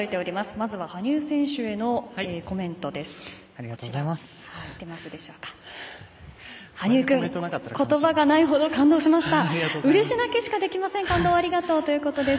まずは羽生選手へのコメントです。